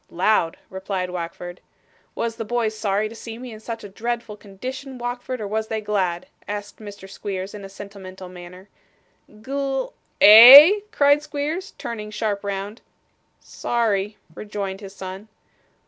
'Loud,' replied Wackford. 'Was the boys sorry to see me in such a dreadful condition, Wackford, or was they glad?' asked Mr. Squeers, in a sentimental manner. 'Gl ' 'Eh?' cried Squeers, turning sharp round. 'Sorry,' rejoined his son.